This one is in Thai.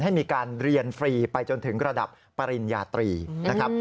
ให้มีการเรียนฟรีไปจนถึงระดับปริญญาตรีนะครับ